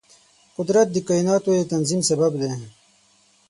قدرت د کایناتو د تنظیم سبب دی.